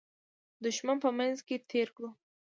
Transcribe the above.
دښمن په منځ کې تېر کړو.